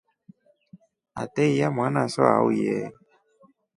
Ateiya mwanaso auye.